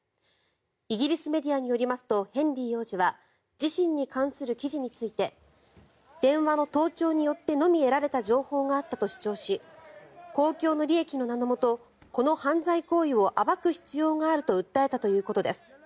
イギリスメディアによりますとヘンリー王子は自身に関する記事について電話の盗聴によってのみ得られた情報があったと主張し公共の利益の名のもとこの犯罪行為を暴く必要があると訴えたということです。